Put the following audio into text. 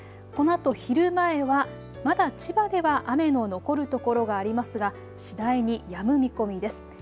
このあと昼前はまだ千葉では雨の残るところがありますが次第にやむ見込みです。